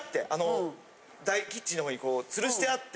キッチンの前に吊るしてあって。